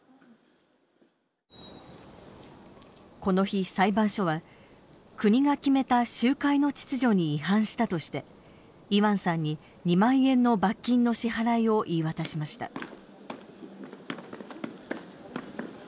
この日裁判所は国が決めた集会の秩序に違反したとしてイワンさんに２万円の罰金の支払いを言い渡しました。